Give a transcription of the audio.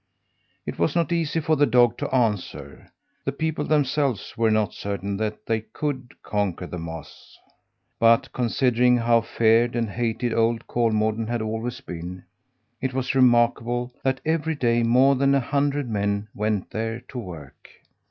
It was not easy for the dog to answer; the people themselves were not certain that they could conquer the moths. But considering how feared and hated old Kolmården had always been, it was remarkable that every day more than a hundred men went there, to work.